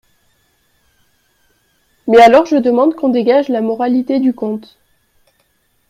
Mais alors je demande qu'on dégage la moralité du conte.